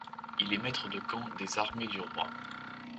Il est maître de camp des armées du roi.